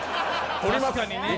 取ります。